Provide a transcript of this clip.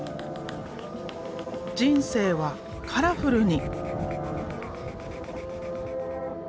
人生はカラフルに。